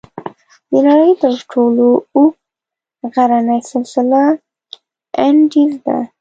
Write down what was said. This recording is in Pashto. د نړۍ تر ټولو اوږد غرنی سلسله "انډیز" ده.